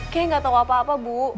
kayaknya gak tau apa apa bu